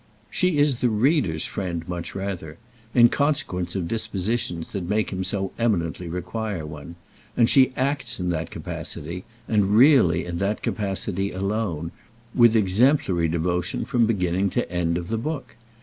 She is the reader's friend much rather—in consequence of dispositions that make him so eminently require one; and she acts in that capacity, and really in that capacity alone, with exemplary devotion from beginning to and of the book.